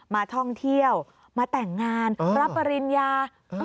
มาท่องเที่ยวมาแต่งงานรับปริญญา